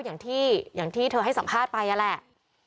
อย่างที่เธอให้สัมภาษณ์ไปนั่นแหละ